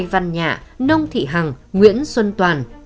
văn nhạ nông thị hằng nguyễn xuân toàn